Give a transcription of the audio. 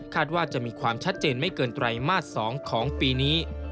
ว่าจะมีความชัดเจนไม่เกินไตรมาส๒ของปีนี้